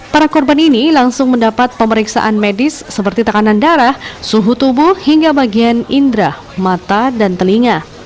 para korban ini langsung mendapat pemeriksaan medis seperti tekanan darah suhu tubuh hingga bagian indera mata dan telinga